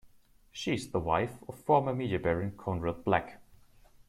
She is the wife of former media baron Conrad Black.